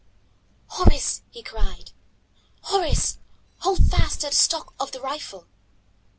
"Horace," he cried, "Horace, hold fast to the stock of the rifle."